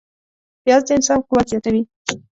پیاز د انسان قوت زیاتوي